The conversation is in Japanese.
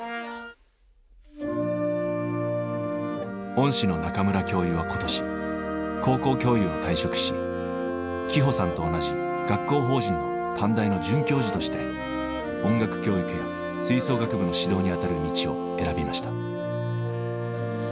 恩師の中村教諭は今年高校教諭を退職し希帆さんと同じ学校法人の短大の准教授として音楽教育や吹奏楽部の指導にあたる道を選びました。